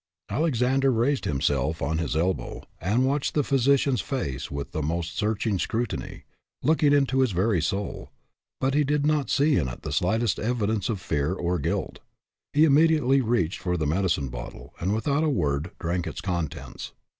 Alexander raised himself on his elbow, and watched the physician's face with the most searching scrutiny, looking into his very soul ; but he did not see in it the slightest evidence of fear or guilt. He immediately reached for the medi cine bottle, and, without a word, drank its contents.